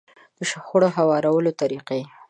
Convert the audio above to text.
د شخړو هوارولو طريقې.